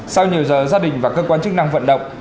sau nhiều giờ gia đình và cơ quan chức năng vận động